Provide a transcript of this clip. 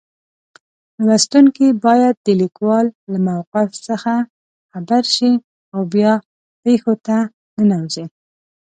لوستونکی باید د لیکوال له موقف څخه خبر شي او بیا پېښو ته ننوځي.